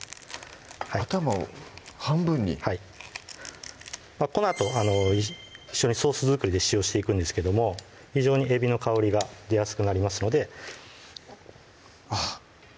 頭を半分にはいこのあと一緒にソース作りで使用していくんですけども非常にえびの香りが出やすくなりますのであぁ